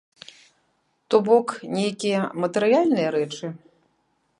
То бок, нейкія матэрыяльныя рэчы?